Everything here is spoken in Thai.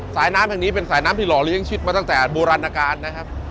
สายน้ำแห่งนี้เป็นสายน้ำที่หล่อเลี้ยชิดมาตั้งแต่โบราณการนะครับ